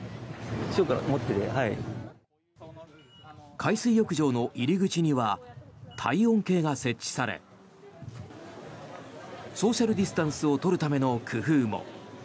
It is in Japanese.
海水浴場の入り口には体温計が設置されソーシャル・ディスタンスを取るための工夫も。